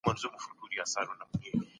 کلیسا د نویو افکارو مخه نیوله.